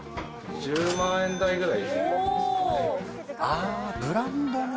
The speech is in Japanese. １０万円台ぐらい。